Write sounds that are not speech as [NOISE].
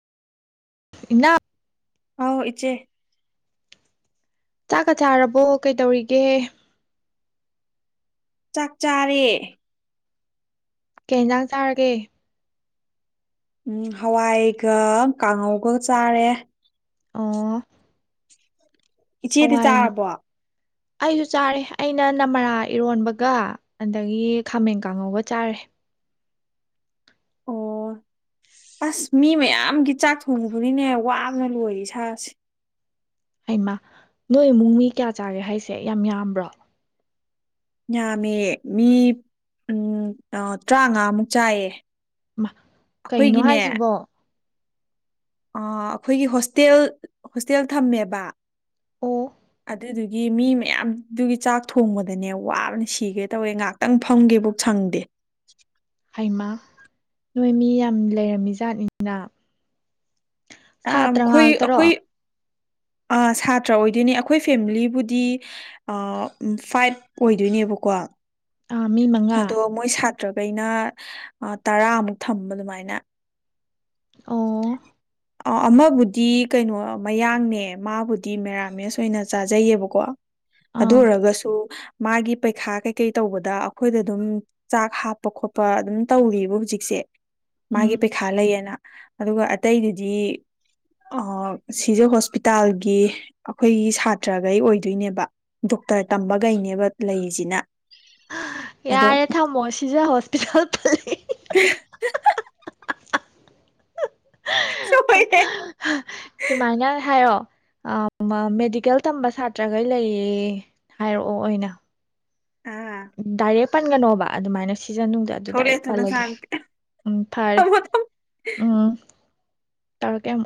ꯏꯅꯥꯎ ꯍꯥꯎ ꯏꯆꯦ ꯆꯥꯛꯀ ꯆꯥꯔꯕꯣ ꯀꯩ ꯇꯧꯔꯤꯒꯦ ꯆꯥꯛ ꯆꯥꯔꯦ꯫ ꯀꯩꯖꯥꯡ ꯆꯥꯔꯒꯦ ꯎꯝ ꯍꯋꯥꯏꯒ ꯀꯥꯡꯉꯧꯒ ꯆꯥꯔꯦ ꯑꫭ꯫ ꯏꯆꯦꯗꯤ ꯆꯥꯔꯕꯣ꯫ ꯑꯩꯖꯨ ꯆꯥꯔꯦ ꯑꯩꯅ ꯅꯃꯔꯥ ꯏꯔꯣꯟꯕꯒ ꯑꯗꯒꯤ ꯈꯥꯃꯦꯟ ꯀꯥꯡꯉꯧꯒ ꯆꯥꯔꯦ꯫ ꯑꯣ ꯑꯁ ꯃꯤ ꯃꯌꯥꯝꯒꯤ ꯆꯥꯛ ꯊꯣꯡꯉꯨꯕꯅꯤꯅꯦ ꯋꯥꯅ ꯂꯣꯏꯔꯤ ꯏꯁꯥꯥꯁꯦ꯫ ꯑꯩꯃꯥ ꯅꯣꯏ ꯏꯃꯨꯡ ꯃꯤ ꯀꯌꯥ ꯆꯥꯒꯦ ꯍꯥꯏꯁꯦ ꯌꯥꯝ ꯌꯥꯝꯕ꯭ꯔꯣ꯫ ꯌꯥꯝꯃꯦ ꯃꯤ ꯎꯝ ꯇ꯭ꯔꯥꯉꯥꯃꯨꯛ ꯆꯥꯏꯌꯦ꯫ ꯃꯥ ꯀꯩꯅꯣ ꯑꯩꯈꯣꯏꯒꯤꯅꯦ ꯍꯥꯏꯁꯤꯕꯣ꯫ ꯑꯩꯈꯣꯏꯒꯤ ꯍꯣꯁꯇꯦꯜ ꯍꯣꯁꯇꯦꯜ ꯊꯝꯃꯦꯕ ꯑꯣ꯫ ꯑꯗꯨꯗꯨꯒꯤ ꯃꯤ ꯃꯌꯥꯝꯗꯨꯒꯤ ꯆꯥꯛ ꯊꯣꯡꯕꯗꯅꯦ ꯋꯥꯕꯅ ꯁꯤꯒꯦ ꯇꯧꯋꯦ ꯉꯥꯏꯍꯥꯛꯇꯪ ꯐꯝꯒꯦꯕꯨ ꯁꯪꯗꯦ ꯍꯩꯃ ꯅꯣꯏ ꯃꯤ ꯌꯥꯝ ꯂꯩꯔꯝꯃꯤ ꯖꯥꯠꯅꯤꯅ꯫ [UNINTELLIGIBLE] ꯑꯩꯈꯣꯏ ꯑꯩꯈꯣꯏ꯫ ꯑ ꯁꯥꯇ꯭ꯔ ꯑꯣꯏꯗꯣꯏꯅꯦ ꯑꯩꯈꯣꯏ ꯐꯦꯃꯤꯂꯤꯕꯨꯗꯤ ꯐꯥꯏꯚ ꯑꯣꯏꯗꯣꯏꯅꯦꯕꯀꯣ꯫ ꯑ ꯃꯤ ꯃꯉꯥ꯫ ꯇ꯭ꯔꯒꯩꯅ ꯇꯔꯥꯃꯨꯛ ꯊꯝꯕ ꯑꯗꯨꯃꯥꯏꯅ꯫ ꯑꯣ꯫ ꯑ ꯑꯃꯕꯨꯗꯤ ꯀꯩꯅꯣ ꯃꯌꯥꯡꯅꯦ ꯃꯥꯕꯨꯗꯤ ꯃꯦꯔꯥꯃꯦꯁ ꯑꯣꯏꯅ ꯆꯥꯖꯩꯌꯦꯕꯀꯣ꯫ ꯑꯗꯨ ꯑꯥ ꯑꯣꯏꯔꯒꯁꯨ꯫ ꯃꯥꯒꯤ ꯄꯩꯈꯥ ꯀꯩꯀꯩ ꯇꯧꯕꯗ ꯑꯩꯈꯣꯏꯗ ꯑꯗꯨꯝ ꯆꯥꯛ ꯍꯥꯞꯄ ꯈꯣꯠꯄ ꯑꯗꯨꯝ ꯇꯧꯔꯤꯕ ꯍꯧꯖꯤꯛꯁꯦ ꯃꯥꯒꯤ ꯎꯝ ꯄꯩꯈꯥ ꯂꯩꯌꯦꯅ꯫ ꯑꯗꯨꯒ ꯑꯇꯩꯗꯨꯗꯤ ꯑ ꯁꯤꯖ ꯍꯣꯁꯄꯤꯇꯥꯜꯒꯤ ꯑꯈꯣꯏꯒꯤ ꯁꯥꯇ꯭ꯔꯒꯩ ꯑꯣꯏꯗꯣꯏꯅꯦꯕ ꯗꯣꯛꯇꫪ ꯇꯝꯕꯒꯩꯅꯦꯕ ꯂꯩꯔꯤꯁꯤꯅ꯫ ꯑꯗꯣ ꯌꯥꯔꯦ ꯊꯥ ꯃꯁꯤꯖꯥ ꯍꯣꯁꯄꯤꯇꯥꯜ ꯁꯣꯄꯣꯏ ꯇꯦ ꯁꯨꯃꯥꯏꯅ ꯍꯥꯏꯔꯣ ꯃꯦꯗꯤꯀꯦꯜ ꯇꯝꯕ ꯁꯥꯇ꯭ꯔꯈꯩ ꯂꯩꯌꯦ ꯍꯥꯏꯔꯛꯑꯣ ꯑꯣꯏꯅ ꯑꯥ ꯗꯥꯏꯔꯦꯛ ꯄꯟꯒꯅꯣꯕ ꯑꯗꯨꯃꯥꯏꯅ ꯁꯤ ꯁꯤꯖꯅꯨꯡ ꯑꯗꯨ ꯊꯣꯛꯂꯛꯑꯦ ꯗꯥꯏꯔꯦꯛ ꯊꯣ ꯅꯁꯥ ꯄꯥꯜꯂꯒꯦ ꯎꯝ ꯐꯔꯦ ꯊꯝꯃꯣ ꯊꯝꯃꯣ ꯎꯝ ꯇꯧ ꯀꯦ